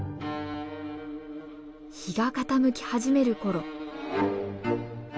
日が傾き始める頃。